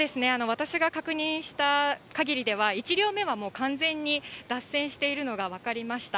私が確認したかぎりでは、１両目はもう完全に脱線しているのが分かりました。